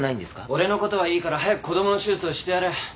俺のことはいいから早く子供の手術をしてやれ。